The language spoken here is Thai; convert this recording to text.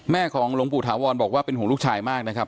แม่ของลวงพู่ธาวรบอกว่าเป็นหูลูกชายมากนะครับ